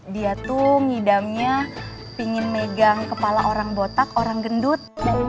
dia tuh ngidamnya pingin megang kepala orang botak orang gendut